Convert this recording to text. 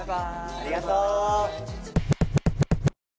・ありがとう。